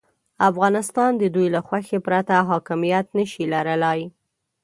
افغانستان د دوی له خوښې پرته حاکمیت نه شي لرلای.